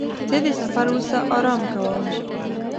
زه د سفر وروسته آرام کوم.